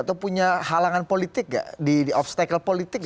atau punya halangan politik nggak di obstacle politik